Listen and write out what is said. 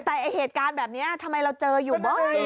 แต่เหตุการณ์แบบนี้ทำไมเราเจออยู่บ่อย